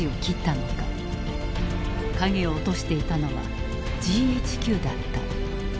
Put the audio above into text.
影を落としていたのはＧＨＱだった。